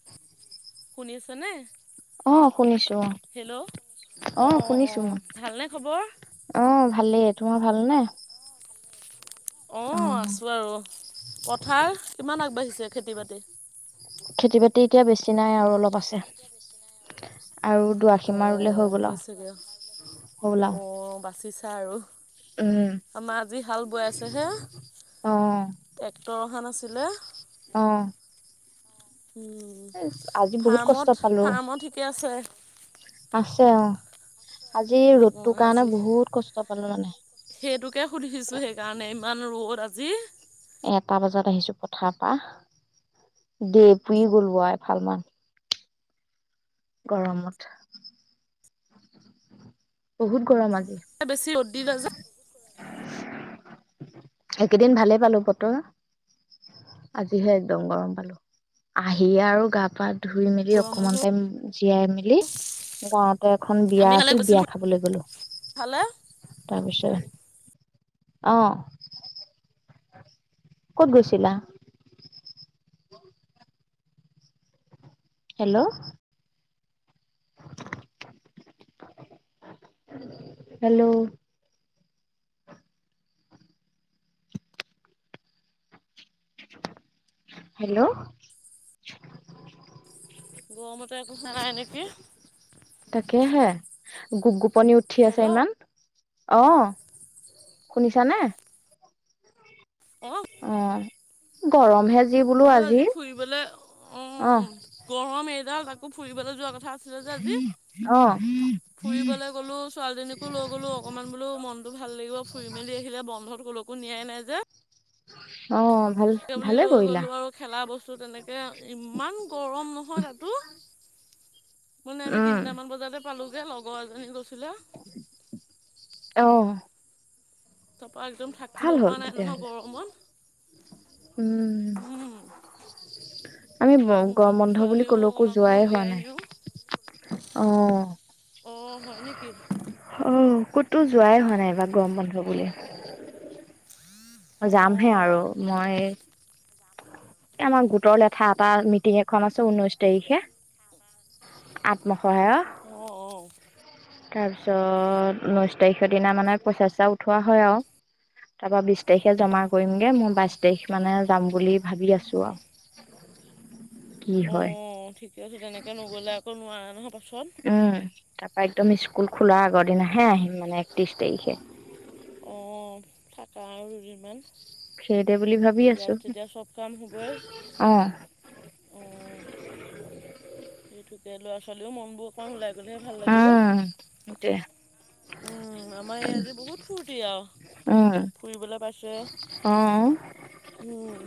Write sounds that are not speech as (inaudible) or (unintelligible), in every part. (inaudible) শুনি আছেনে? অ শুনিছো হেল্ল'। অ', অ' ভালনে খবৰ? অ' ভালেই। তোমাৰ ভালনে? অ', আছোঁ আৰু পথাৰ কিমান আগবাঢ়িছে খেতি-বাতি? খেতি-বাতি এতিয়া বেছি নাই আৰু অলপ আছে। আৰু দুআশীমা ৰুলে হৈ অ', গ'ল আৰু হৈছেগে। হ'বলা অ', বাচিছা আৰু। উম। আমাৰ আজি হাল বোৱাইছেহে, অ টেক্টৰ অহা নাছিলে। অ'। আজি বহুত কষ্ট ফাৰ্মত, পালো ফাৰ্মত থিকে আছে? আছে অ', আজি উম, ৰ'দটো কাৰণে আজি বহুত কষ্ট পালো মানে। সেইটোকে সুধিছোঁ সেইকাৰণে, ইমান ৰ'দ আজি। এটা বজাত আহিছো পথাৰ পৰা দেৰি পুৰি গলো এ ফাল মান। গৰমত। বহুত গৰম আজি। বেছি ৰ'দ দিলে যে একেদিন ভালেই পালোঁ বতৰ। আজিহে একদম গৰম পালো আহি আৰু গা-পা ধুই মেলি গৰম অকমান নহয়। টাইম জীয়াই মেলি গাঁৱতে এখন বিয়া আমি কালি আছিল, বিয়া গৈছিলোঁ বুলি গ'লো। ফালে তাৰপিছত অ'। ক'ত গৈছিলা? হেল্ল'। হেল্ল'। হেল্ল'। গৰমতে আকৌ শুনা নাই নিকি। তাকেহে গো-গোপনি উঠি আছে হেল্ল' ইমান, অ'। শুনিছা নে? অ'। অ', গৰম বোলো আজি ফুৰিবলৈ, অ', গৰম এডাল তাকো ফুৰিবলৈ যোৱা কথা। আছিলে যে আজি। অ'। ফুৰিবলৈ গ'লো ছোৱালীজনীকো লৈ গ'লো অকনমান বোলো মনতো ভাল লাগিব ফুৰি মেলি আহিলে, বন্ধত ক'লৈকো নিয়াই নাই যে। অ'। ভাল স বুলি ভালে লৈ কৰিলা গ'লো আৰু। খেলা বস্তু তেনেকৈ ইমান গৰম নহয় তাতো। মানে আমি উম তিনিটামান বজাতে পালোগে লগৰ এজনী গৈছিলে। অ'। তাপা একদ ভাল হ'ল তেতিয়াহলে, উম। উম, আমি উম, উম, গৰম বন্ধ বুলি ছোৱালীও ক'লৈকো অকণমান বোলো যোৱাই হোৱা উলিয়াই নাই। নিও। অ', অ', হয় নেকি? অ'ক'তো যোৱাই হোৱা অ', নাই ব গৰম বন্ধ বুলি। (inaudible) যামহে আৰু। অ', মই আমাৰ গোটৰ লেঠা এটা মিটিং এখন আছো ঊনৈশ তাৰিখে আত্মসহায়। অ', অ'। তাৰ পিছত ঊনৈছ তাৰিখৰ দিনা মানে পইচা চৈচা টা উঠোৱা হয় আৰু তাৰ পৰা বিশ তাৰিখে জমা কৰিমগে মই বাইশ তাৰিখ মানে যাম বুলি ভাবি আছো আৰু কি হয় অ', ঠিকে আছে তেনেকৈ নগ'লে আকৌ নোৱাৰাৰে নহয় পাছত। উম, তাৰ পৰা একদম স্কুল খোলা আগৰ দিনাহে আহিম মানে একত্ৰিশ তাৰিখে। অ', থাকা আৰু দুদিনমান। সেই দে বুলি ভাবি ইয়াত আছোঁ, যেতিয়া চব কাম হ'বই অ'। অঁ সেইটোকে ল'ৰা ছোৱালীও মনবোৰ অকণমান ওলাই গ'লেহে ভাল লাগে অ'। উম সেইটোৱে উম আমাৰ এই আজি বহুত ফূুৰ্তি আৰু উম ফুৰিবলে পাইছে। অ উম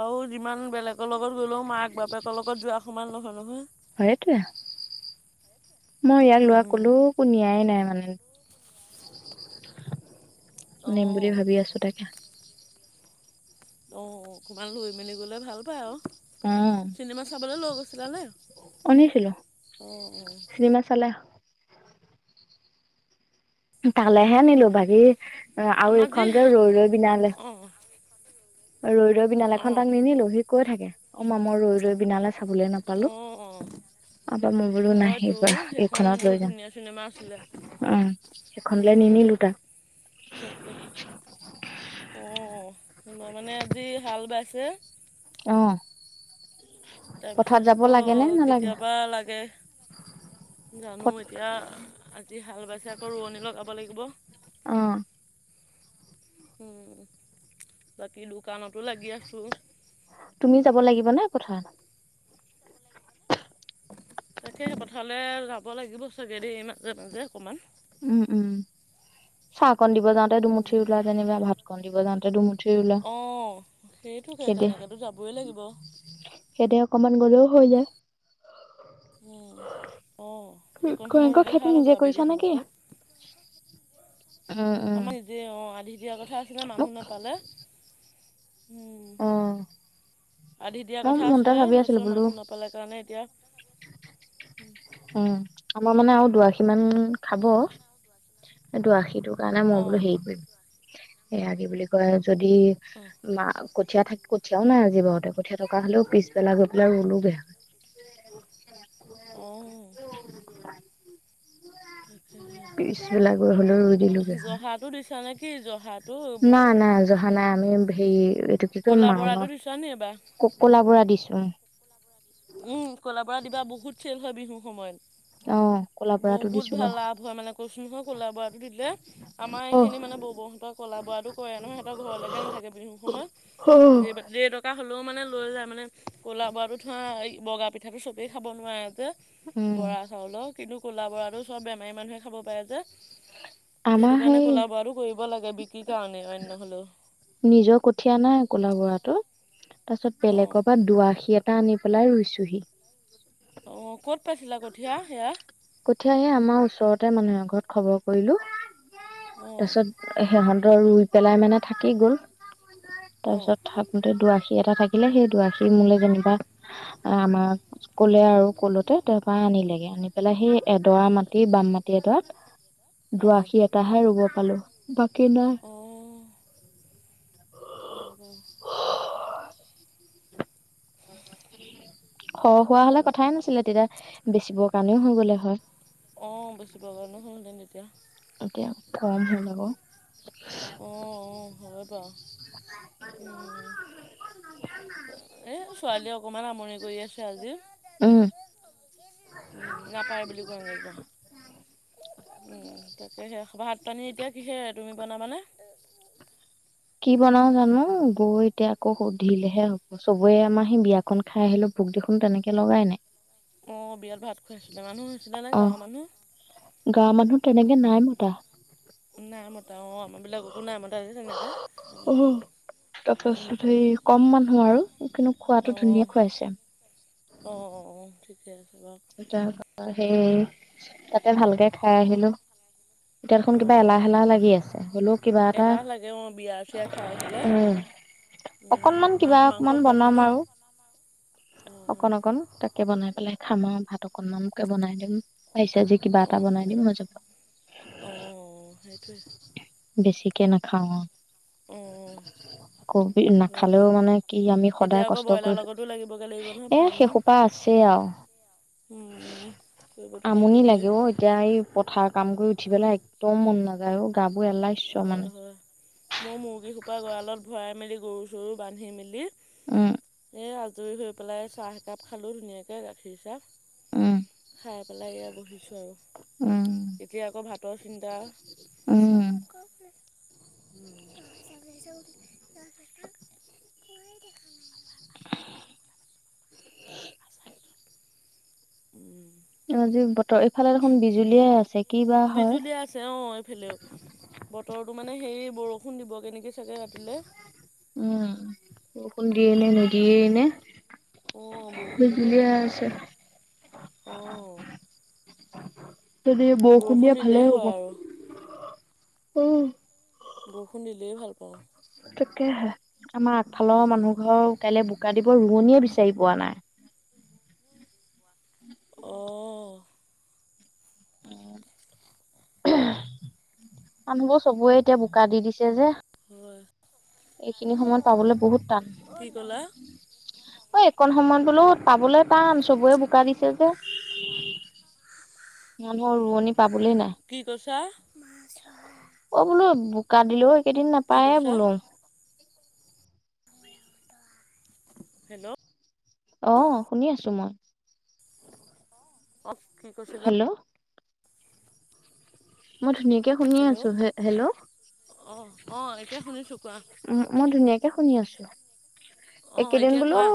আৰু যিমান বেলেগৰ লগত গলেও মাক বাপেকৰ লগত যোৱা সমান নহয় নহয় সেইটোৱে। মই ইয়াক ল'ৰাক কলোকো নিয়াই নাই মানে নিম বুলি অঁ ভাবি আছো তাক অ', অকমান লৈ মেলি গ'লে ভাল পায় আৰু। অ চিনেমা চাবলে লৈ গৈছিলা নে? অ', নিছিলো চিনেমা চালে তালেহে নিলো বাকী আৰু এইখন যে ৰৈ ৰৈ বিনালে অহ। ৰৈ ৰৈ বিনালখন তাক নিনিলো সি কৈ থাকে। অ' মা মই ৰৈ ৰৈ বিনালে চাবলে নাপালো। অঁ (unintelligible) নাই হয়তো এইবাৰ সেইখন এইখনত বহুত লৈ যাম। ধুনীয়া চিনেমা আছিলে অ', সেইখনলে নিনিলো তাক। তাকে অহ মানে আজি হাল বাইছে। অ'। পথাৰত তাৰপিছত যাব আকৌ লাগে নে নালাগে কেতিয়াবা লাগে জানো এতিয়া আজি হাল বাইছে আকৌ ৰোৱনী লগাব লাগিব। অ'। উম, বাকী দোকানতো লাগি আছোঁ। তুমি যাব লাগিব নে পথাৰত? তাকে পথাৰলৈ যাব লাগিব চাগেদি মাজে মাজে অকণমান। উম, উম চাহকন দিব যাওঁ ত দুমুঠি ৰুলা যেনিবা ভাত কণ দিব যওঁতে দুমুঠি ৰুলা। অ'। সেইটোকে তেনেকেতো যাবই লাগিব। সেইদৰে অকমান গ'লেও হৈ যায়। উম, অ'। কংকৰ খেতি নিজে কৰিছা নে কি? উম। উম আমাৰ নিজে অ' আধি দিয়া কথা আছিলে মোক মানুহ নাপালে। উম। অ আধি দিয়া মই কথা মনতে আছিলে ভাবি আছিলো তাৰপিছৰ বোলো মানুহ নাপালে কাৰণে এতিয়া উম। উম, আমাৰ মানে আৰু দুআশী মান খাব। এই দুআশীটো কাৰণে মই বোলো অঁ হেৰি কৰিম এয়া কি বুলি কয় যদি অঁ মা কঠীয়া থি কঠীয়াও নাই আজি বাৰুতে, কঠীয়া থকা হ'লেও পিছ বেলা গৈ পেলাই ৰুলো বেয়া হয়। অহ। পিছবেলা গৈ হলেও ৰুই তাকে জহা দিছ নে কি জহা না নাই জহা নাই আমি সেই এইটো কি কয় ক'লা মা-মা বৰাটো দিছা নি এইবাৰ ক-ক'লা বড়া দিছো। উম, ক'লা বৰা দিবা বহুত চেল হয় বিহুৰ সময়ত। অ', ক বহুত ভাল লাভ হয় মানে কৈছো নহয় ক'লা বৰাটো দিলে। আমাৰ এইখিনি মানে বৌ বৌহঁতৰ ক'লা বৰা কৰে নহয় সিহঁতৰ ঘৰলৈকে নাথাকে বিহু সময়ত। হ'। যে টকা হ'লেও মানে লৈ যায় মানে ক'লা বৰাতো হা এই বগা পিঠাটো চবেই খাব নোৱাৰে যে উম বৰা চাউলৰ। কিন্তু ক'লা বৰা চব বেমাৰী মানুহে খাব পাৰে যে। আমাৰ সেইটো কাৰণে সেই ক'ল বাৰো কৰিব লাগে বিক্ৰী কাৰণে অইনয হ'লেও। নিজৰ কঠিয় নাই ক'লা বৰাতো তাৰ পিছত অঁ বেলেগৰ পৰা দুআশী টা আনি পেলাই ৰুইছোহি। অ', ক'ত পাইছিলা কঠিয়া সেয়া? কঠিয়াহে, আমাৰ ওচৰতে মানুহৰ ঘৰত খবৰ কৰিলো। অঁ তাৰপিছত, সিহঁতৰ ৰুই পেলাই মানে থাকি গ'ল। অঁ তাৰপিছত থ দুআশী এটা থাকিলে, সেই দুআষী মোলে যেনিবা আমাৰ কলে আৰু কলোতে তাৰ পৰা আনিলেগে। আনি পেলাই সেই এডৰা মাটি বাম মাটি এডৰাত অঁ দুআশী, এটাহে ৰুব পালো, বাকী নাই। হম। সৰহ হোৱা তাকেহে হলে কথাই নাছিলে, তেতিয়া বেচিবৰ কাৰণেও হৈ গ'লে হয়। অ', বেছিব কাৰণে হল হৈ তেতিয়া। এতিয়া কম হ'ল আকৌ অ' হয় বাৰু। উম'। এ' ছোৱালী অকনমান আমনি কৰি আছে আজি। উম' নাপায় বুলি কোয়গৈ যোৱা, তাকে সেই ভাত পানী এতিয়া কিহেৰে, তুমি বনাবানে? অ', কি বনাও জানো, গৈ এতিয়া আকৌ সুধিলেহে হব। চবৰে, আমাৰ সেই বিয়াখন, ন খাই আহিলে ভোক দেখোন তেনেকে লগাই নাই। অ' বিয়াত ভাত খুৱাইছিলে। মানুহো হৈছিলে নে অ গাঁৱৰ মানুহ? গাঁৱৰ মানুহ তেনেকে নাই মতা। নাই মতা অ' আমাৰবিলাককো নাই মতা যে তেনেকে। তাৰপাছত, সেই কম মানুহ আৰু কিন্তু খোৱাটো ধুনীয়া খুৱাইছে। অ', অ', অ' ঠিকে আছে বাৰু। তাৰ পাছত সেই তাতে ভালকে খাই আহিলো। এতিয়া দেখোন কিবা অঁ এলাহ-এলাহ লাগি আছে। হলেও কিবা এটা এলাহ লাগে অঁ বিয়া চিয়া খাই আহিলে উম'। উম, অকনমান কিবা মাছ মাংস অকমান খুৱাইছে বনাম ন আৰু অঁ অকন-অকন ত কে বনাই পেলাই খাম আৰু ভাত অকনমানকে বনাই দিম ভাজি- চাজি দি কিবা এটা অঁ বনাই দিম মই যাব। অঁ অঁ সেইটোৱে বেছিকে নাখাওঁ। উ', কবি নাখালেও মানে কি আমি এতিয়া সদায় আকৌ কষ্ট ব্ৰইলাৰ কৰি লগতো লাগিবগৈ লাগিব নহয় এয়া সে ফাৰ্মত তা আছে আৰু উম, কৰিবতো আমনি লাগিবই লাগে এতিয়া এই পথাৰ কাম কৰি উঠি পেলাই একদম মন নাযায় আৰু গাবোৰ এলাহ হয়, হয় মই মুৰ্গীসোপা গঁডৰালত ভৰাই মেলি গৰু-চৰু বান্ধি মেলি উ' এই আজৰি হৈ পেলাই চাহ একাপ খালো ধুনীয়াকে গাখীৰ চাহ। উম পাই পেলাই বহিছোঁ আৰু। উম', যেতিয়া আকৌ ভাতৰ চিন্তা। উম গ গাকাই দেখা ন (unintelligible) উম', যি বতৰ এইফালে দেখোন বিজুলিয়ে আছে কি বা হয়। বিজুলী আছে অ' এইফালেও। বতৰটো মানে সেই বৰষুণ দিব কেনেকৈ চাগৈ ৰাতিলৈ। উম' বৰষুণ দিয়ে ন নিদিয়েই ন অঁ বৰষুণ বুজুলিয়ীয়া আছে। অ', দি বৰষুণ দিয়ে ভালে দিলেই হ'ব হয় আৰু উ'। বৰষুণ দিলেই ভাল পাওঁ। তাকে আমাৰ আগফালৰ মানুহ ঘৰ কাইলৈ বোকা দিব ৰোৱনিয়ে বিচাৰি পোৱা নাই। অ'। উম, মানুহবোৰ চবে এতিয়া বোকা দি দিছে যে। হয়। এইখিনি সময়ত মই পাবলৈ কি কলা? এই একণ সময়ত বোলো পাবলৈ টান চবৰে বোকা দিছে যে। মানুহৰ ৰোৱনি পাবলৈ নাই। কি কৈছা অ', বোলো বোকা দিলেও এইকেইদিন কি নাপায়ে কৈছা বোলো। হেল্ল'। অ', শুনি আছো মই। অ', কি কৈছে? হেল্ল'। মই ধুনীয় হেল্ল' অ' অ' এতিয়া শুনিছো কোৱা? উম মই ধুনীয়াকে শুনি আছো। অঁ এইকেইদিন এতিয়া বোলো কোৱা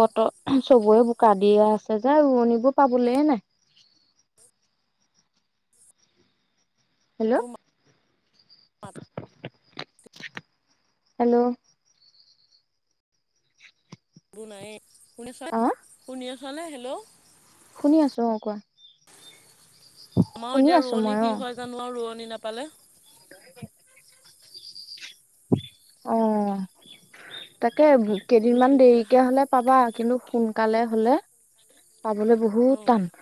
বতৰত চবৰে বোকা দিয়ে আছে যে ৰোৱনিবোৰ পাবলৈ নাই। হেল্ল' মোৰ হেল্ল'। নাই শুনিছানে অ শুনি আছানে হেল্ল'? শুনি আছো অ' কোৱা। আমাৰ শুনি এতিয়া আছো ৰোৱনী মই অ কি হয় জানো আৰু ৰোৱনী নাপালে। (inaudible) অ', তাকে বহুত কেইদিনমান দিগদাৰ দেৰিকে হ'লে পাবা কিন্তু সোনকালে হ'লে পাবলৈ বহুত অঁ টান।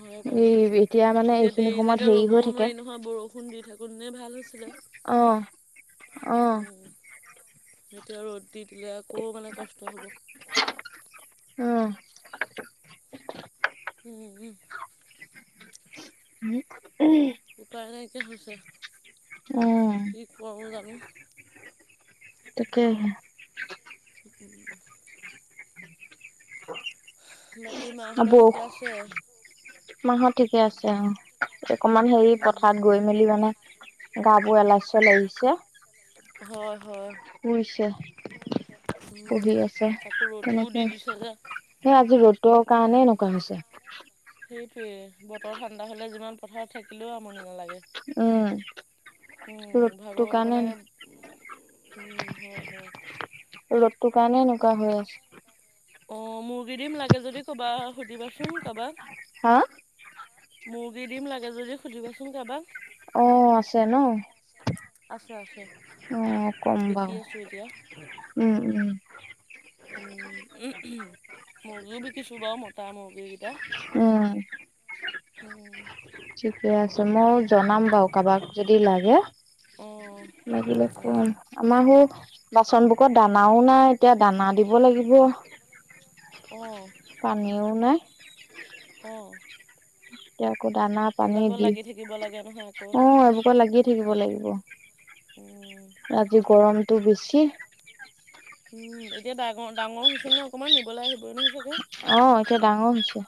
হয় বাৰু এই মানে এতিয়া এইখিনি সময়ত দেৰিলৈকে হেৰি হৈ ৰ'বও থাকে নোৱাৰি নহয় বৰষু খুন্দি থাকো নে ভাল হৈছিলে অ অ উম। এতিয়া ৰ'দ দি দিলে আকৌ মানে কষ্ট হ'ব। উম। উম, উম। (inaudible) উপায় নাইকিয়া হৈছে। উম, কি কৰোঁ জানো, তাকেহে। উম। (inaudible) বাকী মাহঁতৰ ঠিকে আছে? মাহঁত ঠিকে আছে অ' অকমান হেৰি উম, পথাৰত গৈ মেলি মানে গাবোৰ এলাইছ' লাগিছে। হয়, হয়। ৰুইছে। উম, তাকো ৰ'দটোও তেনেকে দি দিছে যে। সেই আজি ৰ'দৰ কাৰণে এনেকুৱা হৈছে। সেইটোয়ে বতৰ ঠাণ্ডা হ'লে যিমান পথাৰত থাক কিলেও আমনি নালাগে উম উম ৰ'দটোৰ ভাগৰত কাৰণে মানে উম, হয়, হয়। ৰ'দটো কাৰণে এনেকুৱা হৈ আছে। অ', মুৰ্গী দিম লাগে যদি কবা সুধিবাচোন কাৰোবাক। হা? মুৰ্গী দিম লাগে যদি সুধিবাচোন কাৰোবাক। অ', আছে ন? আছে আছে। অ', কম বিকি আছোঁ এতিয়া, বাৰু উম উম। উম, উম মুৰ্গীও বিকিছো বাৰু মতা মুৰ্গীকেইটা। উম। উম। ঠিকে আছে মা জনাম বাৰু কাৰোবাক যদি লাগে। অঁ লাগিলে অঁ অঁ ক'ম, আমৰ হেই বাচন বোৰত দানাওঁ নাই, এতিয়া দানা দিব লাগিব। অঁ পানীও নাই অ'। এতিয়া আকৌ দানা পানী দি, লাগি থাকিব লাগে নহয় আকৌ অ' এইবোৰত লাগিয়ে থাকিব লাগিব। উম্। ৰাতি গৰমটো বেছি। উম, এতিয়া ডাঙৰ, ডাঙৰ হৈছে নে অকণমান নিবলৈ আহিবই নহয় চাগে? অ' এতিয়া ডাঙৰ হৈছে।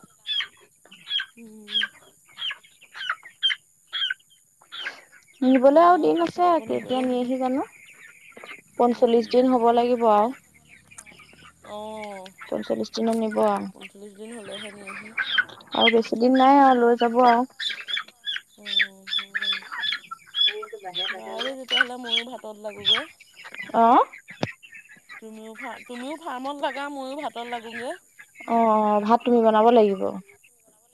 উম। নিবলে আৰু কেইদিনমানৰ দিন পাছত আছে, আকৌ কেতিয়া নিবলৈ আহিব নিয়েহি জানো? পঞ্চল্লিশ দিন হ'ব লাগিব আউ? অ, পঞ্চল্লিশ দিনত নিব আৰু পঞ্চলিশ দিন হ'লেহে নিয়েহি। আৰু বেছি দিন নাই আৰু লৈ যাব আৰু। উম, উম, উম বাৰু তেতিয়াহ'লে মইয়ো ভাতত লাগোগে। অ'। তুমিও ফা তুমিও ফাৰ্মত লাগা ময়ো ভাতত লাগোঙগে। অ', অ' ভাত তুমি বনাব লাগিব? (unintelligible)